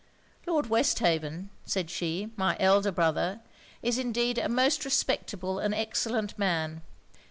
'Lord Westhaven,' said she, 'my elder brother, is indeed a most respectable and excellent man.